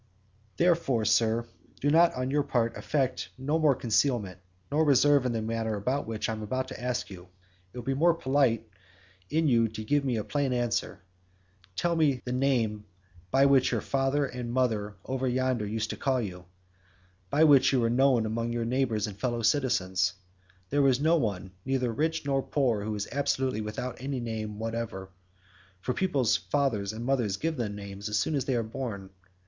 "Therefore, Sir, do you on your part affect no more concealment nor reserve in the matter about which I shall ask you; it will be more polite in you to give me a plain answer; tell me the name by which your father and mother over yonder used to call you, and by which you were known among your neighbours and fellow citizens. There is no one, neither rich nor poor, who is absolutely without any name whatever, for people's fathers and mothers give them names as soon as they are born.